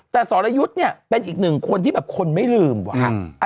แต่สรยุทธ์เนี่ยเป็นอีกหนึ่งคนที่แบบคนไม่ลืมว่ะ